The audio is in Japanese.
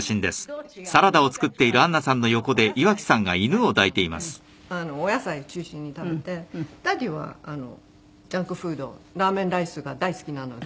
お野菜が大好きなのでお野菜中心に食べてダディはジャンクフードラーメンライスが大好きなので。